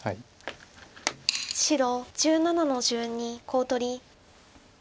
白１７の十二コウ取り。